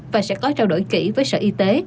và sẽ có trao đổi kỹ với sở y tế